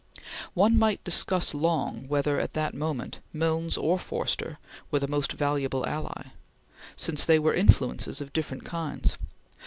One might discuss long whether, at that moment, Milnes or Forster were the more valuable ally, since they were influences of different kinds.